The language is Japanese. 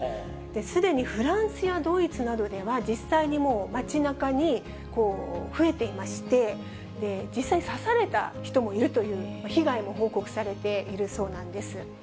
すでにフランスやドイツなどでは実際にもう、街なかに、増えていまして、実際、刺された人もいるという被害も報告されているそうなんです。